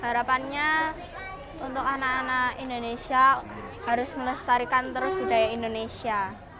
harapannya untuk anak anak indonesia harus melestarikan terus budaya indonesia